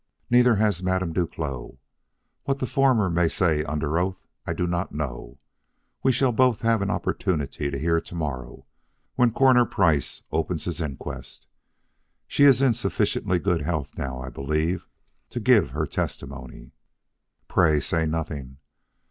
Neither has Madame Duclos. What the former may say under oath I do not know. We shall both have an opportunity to hear to morrow, when Coroner Price opens his inquest. She is in sufficiently good health now, I believe, to give her testimony. Pray, say nothing."